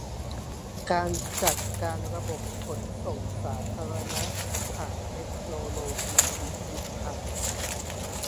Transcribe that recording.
การจัดการระบบการขนส่งสาธารณะผ่านเทคโนโลยีดิจิทัล